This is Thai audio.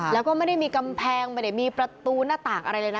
แล้วก็ไม่ได้มีกำแพงไม่ได้มีประตูหน้าต่างอะไรเลยนะ